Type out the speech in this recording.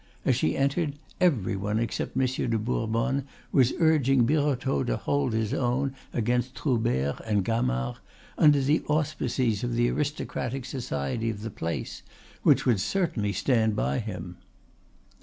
As she entered, every one except Monsieur de Bourbonne was urging Birotteau to hold his own against Troubert and Gamard, under the auspices of the aristocratic society of the place, which would certainly stand by him.